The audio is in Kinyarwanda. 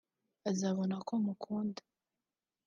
azabona ko mukunda”